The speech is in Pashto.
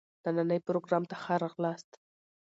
نني پروګرام ته ښه راغلاست.